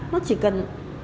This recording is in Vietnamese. nó chỉ cần